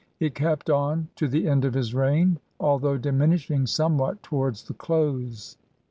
It kept on to the end of his reign, although diminishing somewhat towards the close.